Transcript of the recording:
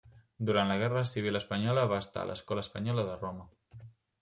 Durant la guerra civil espanyola va estar a l'Escola Espanyola de Roma.